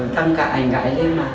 đăng cả ảnh gái lên mà